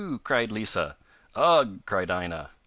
cried Lisa. 'Ugh!' cried Aina.